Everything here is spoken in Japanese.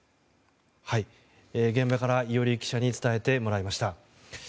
現場から伊従記者に伝えてもらいました。